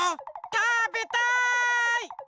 たべたい！